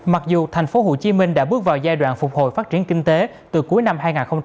mặc dù thành phố hồ chí minh đã bước vào giai đoạn phục hồi phát triển kinh tế từ cuối năm hai nghìn hai mươi một